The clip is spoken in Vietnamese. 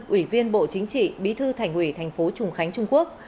ủy viên bộ chính trị bí thư thành ủy thành phố trùng khánh trung quốc